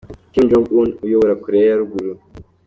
Kim Jong Un uyobora Koreya ya ruguru.